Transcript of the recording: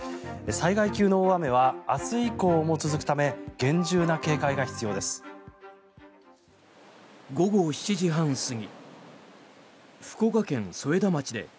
災害級の大雨は明日以降も続くため厳重な警戒が必要です。